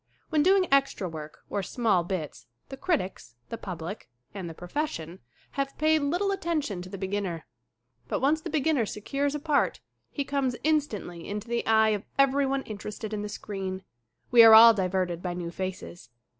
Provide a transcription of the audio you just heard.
When doing extra work or small bits the critics, the public, and the profession have paid little attention to the beginner. But once the beginner secures a part he comes instantly into the eye of everyone interested in the screen. We are all diverted by new faces.